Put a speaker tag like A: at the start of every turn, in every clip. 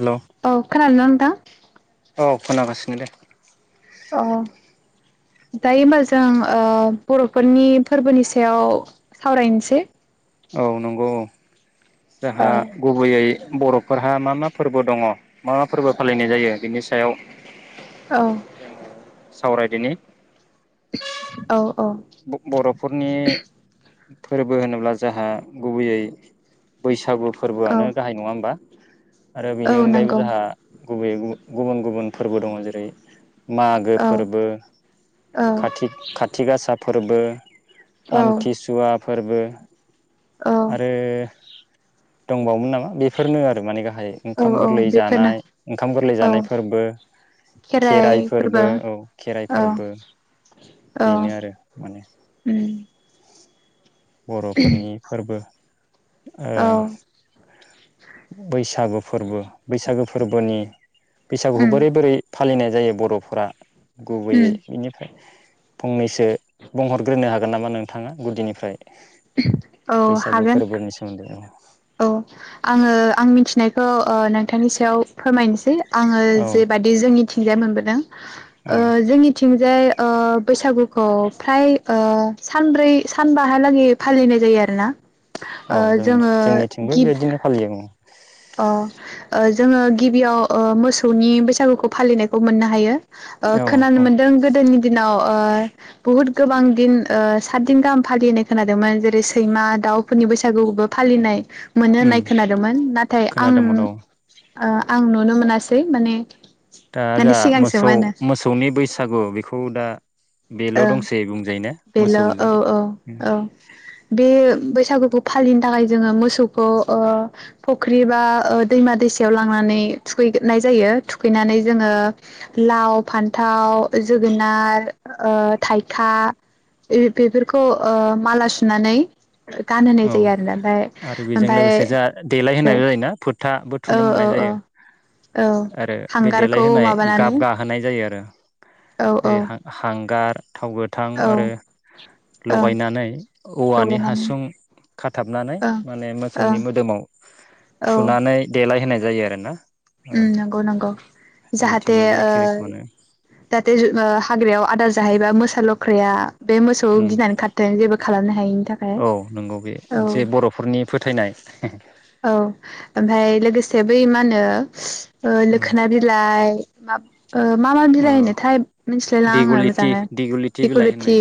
A: Hello
B: औ खोनादों ना नोंथां?
A: औ खोनागासिनो दे।
B: औ दायो होमबा जों ओ बरफोरनि फोरबोनि सायाव सावरायनोसै।
A: औ नंगौ औ।
B: औ
A: जोहा गुबैयै बरफोरहा मा मा फोरबो दङ मा मा फोरबो फालिनाय जायो बिनि सायाव
B: औ
A: सावरायदिनि
B: औ अ
A: बर'फोरनि फोरबो होनोब्ला जाहा गुबैयै बैसागु
B: औ
A: फोरबोआनो गाहाय नङा होमबा? आरो
B: औ
A: बेनि अनगायैबो
B: नंगौ
A: जाहा गुबैयै गुबु-गुबुन गुबुन फोरबो दङ जेरै मागो
B: औ
A: फोरबो
B: औ
A: खाथि-खाथिगासा फोर दोबो
B: औ
A: आमथि सुवा फोरबो आरो दंबावो मोन नामा? बेफोरनो आरो माने गाहाय
B: औ
A: ओंखाम
B: औ
A: गोरलै
B: बेफोरनो
A: जानाय ओंखाम गोरलै
B: औ
A: जानाय फोरबो, खेराइ फोरबो औ खेराइ
B: औ
A: फोरबो।
B: औ
A: बेनो आरो माने।
B: उम
A: बरफोरनि फोरबो। ओ
B: औ
A: बैसागु फोरबो बैसागु फोरबोनि बैसागुखौ
B: उम
A: बोरै बोरै फालिनाय जायो बरफ्रा
B: उम
A: गुबैयै बिनिफ्राय फंनैसो बुंहरग्रोनो हागो गोन नामा नोंथाङा गुदिनिफ्राय।
B: औ
A: बैसागो
B: हागोन
A: फोरबोनि सोमोन्दै अ।
B: औ आङो आं मिथिनायखौ ओ नोंथांनि सायाव फोरमायनोसै। आङो
A: औ
B: जेबादि जोंनि थिंजाय मोनबोदों।
A: औ
B: ओ जोंनिथिंजाय ओ बैसागुखौ फ्राय ओ सानब्रै सानबाहालागै फालिनाय जायो आरो ना ओ जोङो
A: जोंबो
B: गिब
A: बेदिनो फालियो ओं [unintelligible]
B: अ ओ जोङो गिबियाव ओ मोसौनि बैसागुखौ फालिनायखौ मोननो हायो ओ
A: औ
B: खोनानो
A: औ
B: मोनदों गोदोनि दिनाव ओ बुहुत गोबां दिन ओ सातदिन गाहाम फालिनाय खोनादोंमोन जेरै सैमा दाउफोरनि बैसागुबो फालिनाय मोनो
A: उम
B: होननाय खोनादोंमोन ना
A: खोनादोंमोन औ
B: ओ आंनो
A: दा
B: माने
A: जा मोसौ
B: सिगांसोमोन
A: मोसौनि बैसागु बेखौ औ दा बेल'
B: ओं
A: दंसै बुंजायोना
B: बेल' औ
A: मोसौजों
B: औ औ बे बैसागुखौ फालिनो थाखाय जोङो मोसौखौ ओ फख्रि बा ओ दैमा दैसायाव लांनानै थुखैनाय जायो थुखैनानै जोङो लाव फान्थाव जोगोनार ओ थाइखा बे-बेफोरखौ ओ माला सुनानै गानहोनाय
A: औ
B: जायो आरोना
A: आरो
B: ओमफाय
A: बेजों
B: ओमफाय
A: लोगोसे जा देलाय
B: ज
A: होनाय जायोना फोथाबो थुनो मोननाय जायो
B: औ
A: आरो बे
B: हांगारखौ
A: देलायहोनाय
B: माबानानै
A: गाब गाहोनाय जायो आरो
B: औ
A: ओइ
B: औ
A: हां-हांगार थावगो थां
B: औ
A: आरो
B: ओं
A: लगायनानै औवानि
B: लगायनानै
A: हासुं खाथाबनानै
B: ओं
A: माने
B: ओं
A: मोसौनि मोदोमाव
B: औ
A: थुनानै देलायहोनाय जायो आरो ना
B: उम नोंगौ नोंगौ जाहाथे
A: जोंनिथिंबो बे
B: ओ
A: एखे रोखोमानो
B: जाहाथे ओ हाग्रायाव आदार जाहैबा मोसा लख्राया बे मोसौ गिनानै खारथों जेबो खालामनो हायैनि थाखाय
A: औ नंगौ बे
B: औ
A: मोनसे बर'फोरनि [unintelligible]
B: औ ओमफाय लोगोसे बै मा होनो ओ लोखोना बिलाइ मा ओ मा मा बिलाइ
A: औ
B: होनोथाय मिथिलायलाङा आङो
A: दिगलिथि
B: मोजाङै
A: दिगलिथि बिलाइ होननाय
B: बिकुलिटि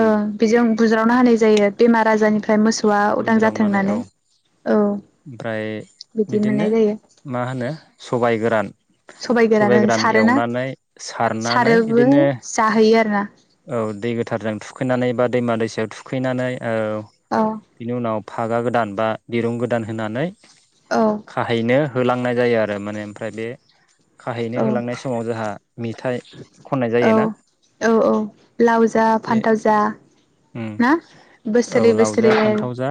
A: उम
B: ओ बेजों बुज्रावना होनाय जायो बेमार आजारनिफ्राय मोसौआ उदां जाथों
A: बुज्रावनानै औ
B: होननानै औ
A: ओमफ्राय
B: बिदि मोननाय
A: बिदिनो
B: जायो
A: मा होनो सबाइ गोरान
B: सबाइ गोरान
A: सबाय
B: ओ सारोना
A: एवनानै सारनानै
B: सारोबो
A: बिदिनो
B: जाहोयो आरोना
A: थारजों थुखैनानै बा दैमा दैसायाव थुखैनानै ओ
B: औ
A: बिनि उनाव फागा गोदान बा दिरुं गोदान होनानै
B: औ
A: खाहैनो होलांनाय जायो आरो माने ओमफ्राय बे खाहैनो
B: औ
A: होलांनाय समाव जोंहा मेथाइ खननाय
B: औ
A: जायोना
B: औ औ लाव जा
A: बे
B: फान्थाव जा
A: उम
B: ना बोस
A: औ लाव जा फान्थाव जा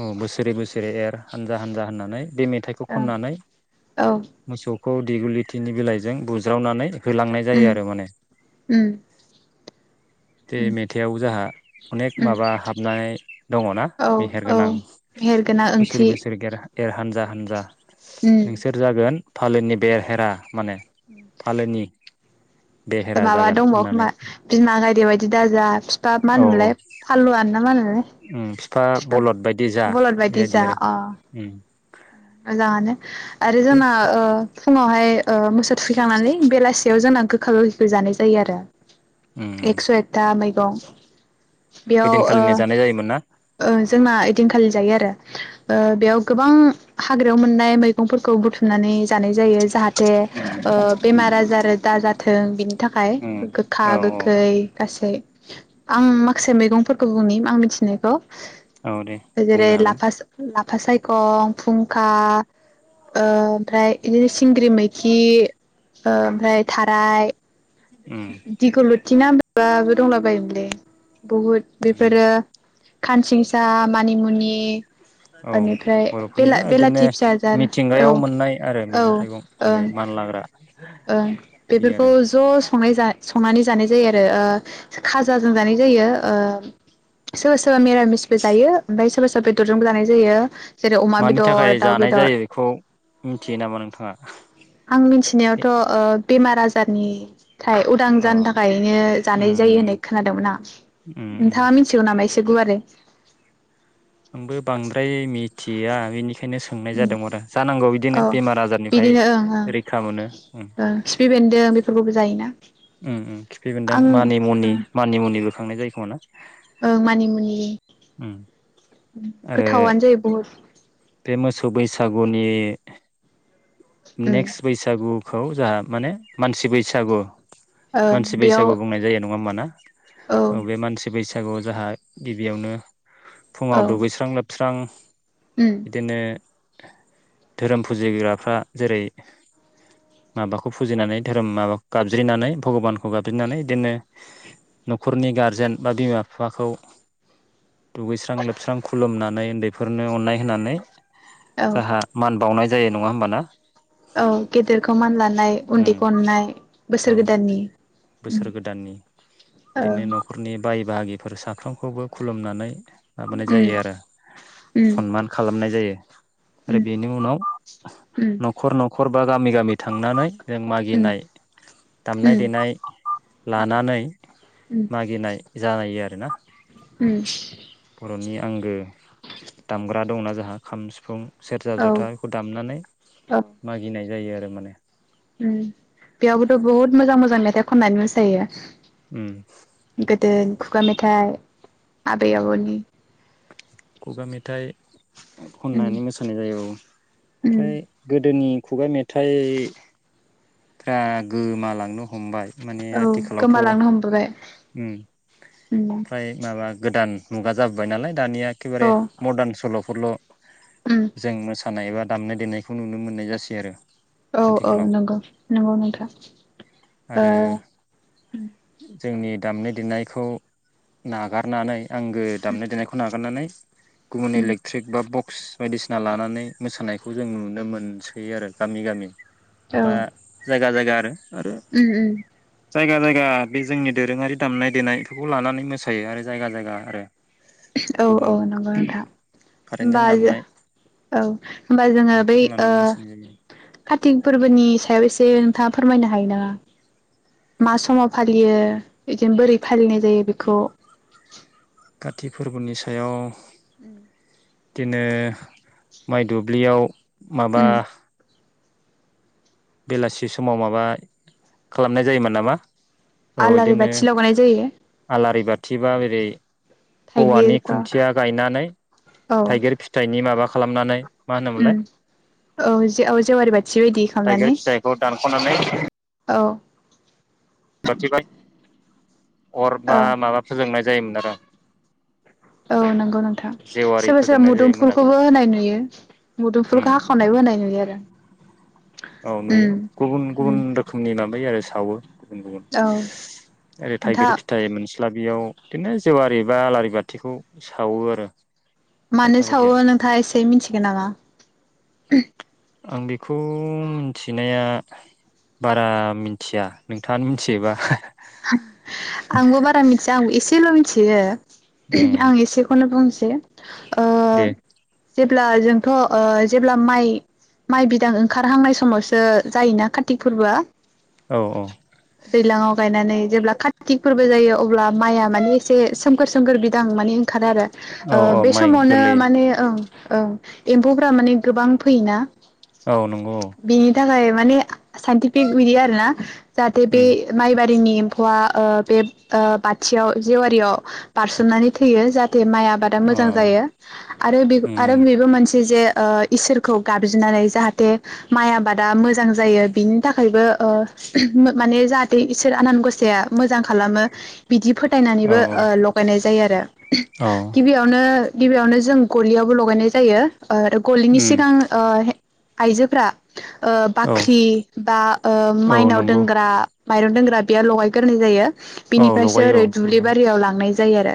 A: औ बोसोरे बोसोरे एर हानजा हानजा होननानै बे मेथाइखौ खननानै
B: औ
A: मोसौ खौ दिगुलिथिनि बिलाइजों बुज्रावनानै होलांनाय
B: उम
A: जायो आरो माने
B: उम
A: बे
B: उम
A: मेथाइयाव जोहा अनेक
B: उम
A: माबा हाबनाय दङना
B: औ
A: मेहेर
B: औ
A: गोनां
B: मेहेरगोनां
A: बोसोर
B: ओंथि
A: बोसोर गेर एर हानजा हानजा
B: उम
A: नोंसोर जागोन फालोनि बेरहेरा माने फालोनि बेहेरा
B: माबा
A: जागोन
B: दंबावो खोमा
A: होननानै
B: बिमा गायदे बायदि दा जा फिफा मा
A: औ औ
B: होनोमोनलाय फालुआन ना मा होनोमोनलाय
A: फिफा
B: बिफा
A: बलद बायदि जा
B: बलद बायदि
A: बेबायदि आरो उम
B: जाङानो आरो
A: बे
B: जोंना ओ फुङावहाय ओ मोसौ थुखैखांनानै बेलासियाव जोंना गोखा गोखैखौ जानाय जायो आरो एगस' एगथा मै दं बेयाव ओ
A: ओइदिनखालिनो जानाय जायोमोन ना
B: ओ जोंना ओइदिनखालि जायो आरो ओ बेयाव गोबां हाग्रायाव मोननाय मैगंफोरखौ बुथुमनानै जानाय जायो जाहा थे ओ बेमार आजार दा जाथों थों बिनि नि थाखाय
A: उम
B: गोखा
A: औ औ
B: गोखै गासै आं माखासे मैगंफोरखौ बुंनि आं मिथिनायखौ
A: औ दे
B: जेरै
A: बुंनो हागोन
B: लाफा ला लाफा सायखम फुंखा ओ ओमफ्राय बिदिनो सिंग्रि मैखि ओमफ्राय थाराय
A: उम
B: दिगलथ बिदि नामबाबो दंलाबायोमोनलै बहुद
A: उम
B: बेफोरो खानसिंसा मानिमुनि
A: औ
B: बेनिफ्राय
A: बर'फोरनि ना
B: बेला
A: बिदिनो
B: बेलाथि फिसा जार औ
A: मिथिंगायाव मोननाय आरो
B: औ
A: मैगं थाइगं माने
B: ओं
A: मानलाग्रा
B: ओं
A: बे
B: बेफोरखौ
A: आरो
B: ज' संनाय जा संनानै जानाय जायो आरो ओ खाजाजों जानाय जायो ओ सोरबा सोरबा मिरामिसबो जायो ओमफ्राय सोरबा सोरबा बेदरजोंबो जानाय जायो। जेरै अमा
A: मानि
B: बेदर
A: थाखाय
B: दाउ
A: जानाय
B: बेदर
A: जायो बेखौ मिथियो नामा नोंथाङा
B: आं मिथिनायावथ' ओ बे मार आजारनि थाय उदां
A: अ
B: जानो थाखायनो जानाय जायो
A: उम
B: होननाय खोनादोंमोन आं।
A: उम उम
B: नोंथाङा मिथिगौ नामा एसे गुवारै?
A: आंबो बांद्राय मि थिया बेनि खायनो सोंनाय
B: उम
A: जादोंमोन आरो जानांगौ बिदिनो
B: औ
A: बेमार आजारनिफ्राय
B: बिदिनो ओं ओं
A: रैखा मोनो उम
B: ओं खिफि बेन्दों बेफोरखौबो जायोना
A: उम उम खिफि बेनदों मानि मुनि
B: आं
A: मानि मुनिबो खांनाय जायोखोमा ना
B: ओं मानि मुनि
A: उम आरो
B: गोथावानो जायो बहुद
A: बे मोसौ बैसागुनि
B: उम
A: नेक्स बैसागु खौ जोहा माने मानसि बैसागु
B: ओं
A: मानसि
B: बेयाव
A: बैसागु बुंनाय जायो नङा होनबा ना
B: औ
A: ओ बे मानसि बैसा बैसागुआव जाहा गिबियावनो फुङाव
B: औ
A: दुगै खां लोबस्रां
B: उम
A: बिदिनो धोरोम फुजिग्राफ्रा जेरै माबाखौ फुजिनानै धोरोम माबाखौ गाबज्रिनानै भगबानखौ गाबज्रिनानै बिदिनो नखरनि गारजेन बा बिमा बिफाखौ दुगैस्रां लोबस्रां। खुलुमनानै उन्दैफोरनो अननाय होनानै
B: औ
A: जाहा मान बावनाय जायो नङा होमबाना?
B: औ गेदेरखौ मानलानाय
A: उम
B: उन्दैखौ अननाय।
A: औ
B: बोसोर गोदाननि उम
A: बोसोर गोदाननि
B: ओं
A: बिदिनो नखरनि बाय बि बाहागिफोर साफ्रोमखौबो खुलुमनानै माबानाय
B: उम
A: जायो आरो
B: उम
A: सनमान खालामनाय जायो। [inaudible] आरो
B: उम
A: बेनि उनाव
B: उम
A: नखर नखर बा गामि गामि थांनानै जों मागिनाय दामनाय
B: उम
A: देनाय लानानै
B: उम
A: मागिनाय जानाय यो आरोना।
B: उम
A: रनि आंगो दामग्रा दंना जों आ खाम सिफुं। सेरजा जथा खौ दामनानै
B: औ
A: मागिनाय जायो आरो माने।
B: बेयावबोथ बहुत मोजां मोजां मेथाइ खननानै मोसायो।
A: उम
B: गोदोनि खुगा मेथाइ आबै आबौनि
A: खुगा मेथाइ
B: उम
A: खननानै मोसानाय जायो औ
B: उम
A: ओमफ्राय गोदोनि खुगा मेथाइ फ्रा गोमा लांनो हमबाय। माने
B: औ
A: आथिखालावथ'
B: गोमालांनो हमबोबाय।
A: उम
B: उम
A: फ्राय मा [unintelligible] गोदान मुगा जाबोबाय नालाय। दानिया
B: औ
A: एखेबारे मर्दान सलफोरल
B: उम
A: जों मोसा खानाय एबा दामनाय देनायखौ नुनो मोननाय जासै आरो।
B: औ औ
A: आथिखालाव
B: नंगौ नंगौ नोंथां
A: आरो
B: ओ
A: जोंनि दामनाय देनायखौ नागारनानै आंगो दामनाय देनायखौ नागारनानै [inaudible] गुबुन इलेक्ट्रिक बा ब क्स बायदिसिना लानानै मोसानायखौ जों नुनो मोनसै आरो गामि गामि।
B: औ
A: बा जाय [unintelligible]
B: उम उम
A: जायगा जायगा बे जोंनि दोरोङारि दामनाय देनायफोरखौ लानानै मोसायो आरो जायगा जायगा आरो
B: औ औ
A: गुबुन
B: नंगौ नोंथां होमबा
A: कारेन्टजों
B: जो
A: दामनाय
B: औ होनोमबा जोङो बै
A: बेफोरखौ
B: ओ
A: लानानै मोसानाय जायो
B: कारतिक फोरबोनि सायाव एसे था फोरमायनो हायो नामा मा समाव फालियो बिदिनो बोरै फालिनाय जायो बेखौ?
A: कति फोरबोनि सायाव
B: उम
A: बिदिनो माइ दुब्लियाव माबा
B: उम
A: बेलासि समाव माबा खालामनाय जायोमोन नामा? औ
B: आलारि बाथि लगानाय जायो।
A: थिबााबेरै औवानि
B: थाइगिरफ्रा
A: खुन्थिया गायनानै
B: औ
A: थाइगिर फिथाइनि माबाखौ खालामनानै मा होनोमोनलाय
B: औ जे औ जेवारि बाथि बायदि
A: थाइगिर
B: खालामनानै
A: फिथाइखौ [unintelligible]
B: औ
A: सथिबाद अर बा
B: औ
A: माबाफोजोंनाय जायो [unintelligible]
B: औ नंगौ नोंथां सोरबा सोरबा
A: फोजोंनाय जायो मोनाबिलि
B: मुदुमफुलखौबो होनाय नुयो
A: उम
B: मुदुमफुलखौ हाखावनायबो होनाय नुयो आरो।
A: औ नुयो
B: उम
A: गुबुन
B: उम
A: गुबुन रोखोमनि माबायो आरो। सावो
B: औ
A: ओरै थाइगिर
B: नोंथां
A: फिथाइ मोनस्लाबियाव बिदिनो जेवारि बा आलारि बाथिखौ सावो आरो।
B: मानो
A: बायथा
B: सावो
A: बायदिया
B: नोंथाङा एसे मिथिगोन नामा?
A: आं बेखौ बेखौ मिथिनाया बारा मिथिया नोंथाङानो मिथियोबा?
B: आंबो बारा मिथिया आंबो एसेल मिथि
A: उम
B: [unintelligible] आं एसेखौनो बुंसि [unintelligible]
A: दे
B: जेब्ला जोंथ ओ जेब्ला माइ माइ बिदां ओंखारहांनाय समावसो जायोना कार्तिक फोरबोआ।
A: औ औ।
B: दैलाङाव गायनानै जेब्ला कार्तिक फोरबो जायो अब्ला माइआ माने एसे सोमखोर सोमखोर बिदां माने ओंखारो आरो
A: औ
B: ओ
A: औ
B: बे
A: माइ
B: समावनो
A: गोरलै
B: माने ओं। औ एम्फौफ्रा माने गोबां फैयोना।
A: औ नंगौ ओ।
B: बेनि थाखाय माने आ साइनटिफिक बिदि आरो ना जाहाथे बे
A: उम
B: बारिनि एम्फौआ ओ बे ओ बाथियाव जेवारियाव बारसोमनानै थैयो जाह जे माइ आबादा
A: अ
B: मोजां जायो आरो बे आरो
A: उम
B: बेबो मोनसे जे ओ इसोरखौ गाबज्रिनानै जाहाथे माइ आबादा मोजां जायो बिनि थाखायबो ओ माने जाहाथे इसोर आनान गसाया मोजां खालामो बिदि फो
A: औ
B: फोथायनानैबो ओ लगायनाय जायो आरो
A: औ
B: गिबियावनो गिबियावनो जों गलियावबो लगायनाय जायो। ओ आरो गलिनि
A: उम
B: सिगां ओ हे आइजोफ्रा ओ
A: औ
B: बाख्रि बा ओ
A: औ
B: मायनाव
A: नंगौ
B: दोनग्रा माइरं दोनग्रा बेयो लहाय गोरनाय जायो।
A: औ
B: बिनिफ्रायसो
A: लगायो
B: ओरै
A: औ
B: दुब्लि
A: लगायो
B: बारियाव लांनाय जायो आरो।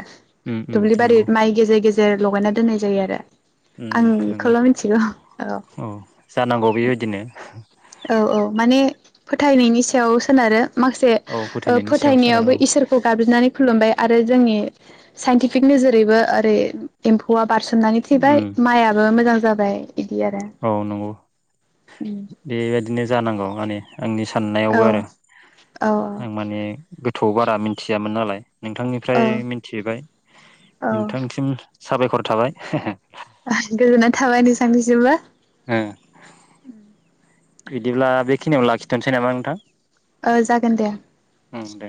A: उम उम
B: दुब्लि बारि
A: नंगौ
B: माइ गेजेर गेजे जेर लगायना दोननाय जायो आरो आं
A: उम नंगौ
B: एखौल' मिथिगौ औ
A: जानांगौ बेबायदिनो
B: औ औ माने फोथायनायनि सायाव सोनारो। माखासे
A: औ
B: ओ
A: फोथायनायनि सायाव
B: फोथायनायावबो
A: सोनारो औ
B: इसोरखौ गाबज्रिनानै खुलुमबाय। आरो जोंनि साइन्टिफिक नोजोरैबो ओरै एम्फौआ बारसोमनानै थैबाय
A: उम
B: माइआबो मोजां जाबाय। इदि आरो
A: औ नंगौ बेबायदिनो जानांगौ माने आंनि
B: औ
A: साननायावबो आरो आं माने गोथौआव बारा मिथियामोन नालाय।
B: औ
A: नोंथांनिफ्राय मिनथिबाय
B: औ
A: नोंथांसिम साबायखर थाबाय।
B: थांनिसिमबो
A: बिदिब्ला बे खिनियाव लाखिथनोसै नामा नोंथां?
B: ओ जागोन दे।
A: उम दे